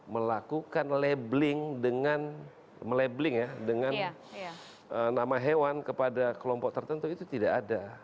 melakukan labeling dengan nama hewan kepada kelompok tertentu itu tidak ada